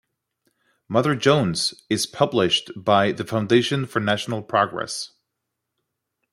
"Mother Jones" is published by The Foundation for National Progress.